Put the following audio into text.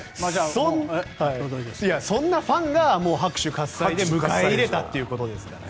そんなファンが拍手喝采で迎え入れたということですからね。